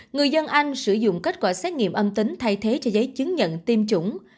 người dân anh sử dụng kết quả xét nghiệm âm tính thay thế cho giấy chứng nhận tiêm chủng